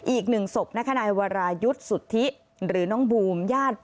อีกหนึ่งศพนะคะนายวรายุทธ์สุทธิหรือน้องบูมญาติ